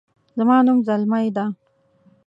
زما نوم زلمۍ ده